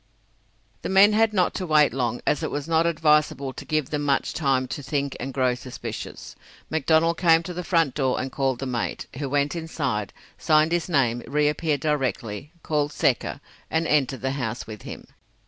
The men had not to wait long, as it was not advisable to give them much time to think and grow suspicious. McDonnell came to the front door and called the mate, who went inside, signed his name, re appeared directly, called Secker, and entered the house with him.